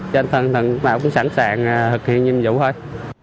trên thân thân mà cũng sẵn sàng thực hiện nhiệm vụ thôi